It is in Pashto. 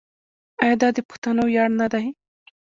آیا دا د پښتنو ویاړ نه دی؟